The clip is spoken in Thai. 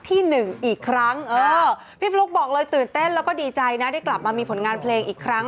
หนึ่งอีกครั้งเออพี่ฟลุ๊กบอกเลยตื่นเต้นแล้วก็ดีใจนะได้กลับมามีผลงานเพลงอีกครั้ง